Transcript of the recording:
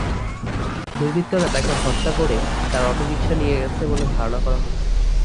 দুর্বৃত্তরা তাঁকে হত্যা করে তাঁর অটোরিকশা নিয়ে গেছে বলে ধারণা করা হচ্ছে।